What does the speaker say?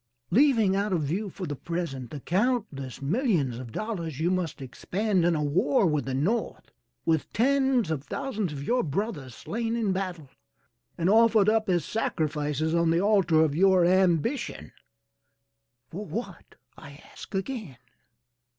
Leaving out of view for the present the countless millions of dollars you must expend in a war with the North, with tens of thousands of your brothers slain in battle, and offered up as sacrifices on the altar of your ambition for what, I ask again?